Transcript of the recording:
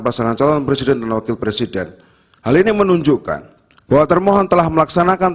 pasangan calon presiden dan wakil presiden hal ini menunjukkan bahwa termohon telah melaksanakan